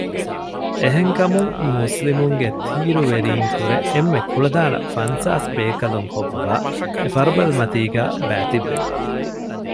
އެހެންކަމުން މުސްލިމުންގެ ތީރުވެރީންކުރެ އެންމެ ކުޅަދާނަ ފަންސާސް ބޭކަލުން ހޮއްވަވައި އެފަރުބަދަމަތީގައި ބައިތިއްބެވި